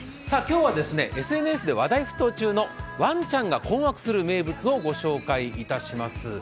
今日はＳＮＳで話題沸騰中のワンちゃんが困惑する名物をご紹介します。